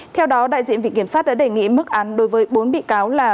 theo đó đại diện viện kiểm soát đã đề nghị mức án đối với bốn bị cáo là